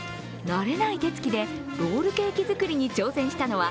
慣れない手つきでロールケーキ作りに挑戦したのは